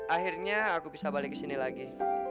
akhirnya aku bisa balik kesini lagi